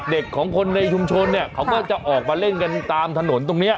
เด็กของคนในชุมชนเนี่ยเขาก็จะออกมาเล่นกันตามถนนตรงนี้